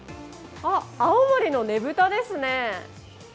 あっ、青森のねぶたですね。